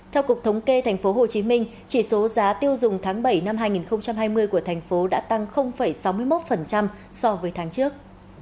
theo cục thống kê tp hcm chỉ số giá tiêu dùng tháng bảy năm hai nghìn hai mươi của thành phố đã tăng sáu mươi một so với tháng trước